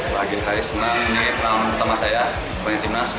bahagia sekali senang nyelidik nama pertama saya pemain tim nasional